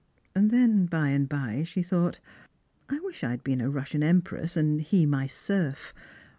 And then by and by she thonght :*' I wish I had been a Russian empress, and he my serf.